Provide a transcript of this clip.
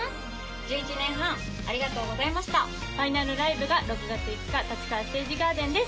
ファイナルライブが６月５日立川ステージガーデンです。